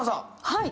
はい。